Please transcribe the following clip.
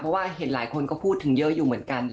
เพราะว่าเห็นหลายคนก็พูดถึงเยอะอยู่เหมือนกัน